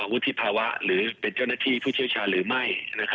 วุฒิภาวะหรือเป็นเจ้าหน้าที่ผู้เชี่ยวชาญหรือไม่